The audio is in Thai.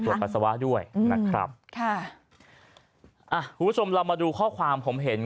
คุณผู้ชมเรามาดูข้อความ